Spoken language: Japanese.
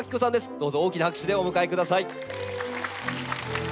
どうぞ大きな拍手でお迎えください。